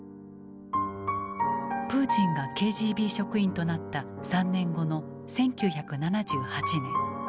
プーチンがＫＧＢ職員となった３年後の１９７８年